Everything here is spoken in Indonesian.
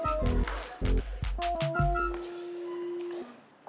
tunggu tunggu tunggu